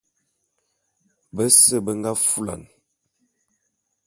Bese be nga fulan.